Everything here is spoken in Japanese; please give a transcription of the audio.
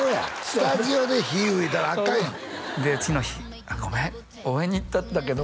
スタジオで火ふいたらアカンやんで次の日「ごめん応援に行ったんだけど」